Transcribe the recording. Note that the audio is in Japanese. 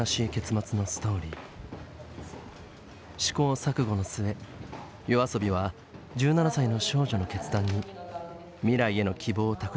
試行錯誤の末ＹＯＡＳＯＢＩは１７歳の少女の決断に未来への希望を託した歌を作りました。